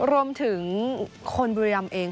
รวมถึงคนบุรีรำเอง